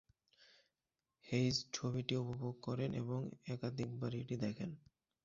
হেইজ ছবিটি উপভোগ করেন এবং একাধিকবার এটি দেখেন।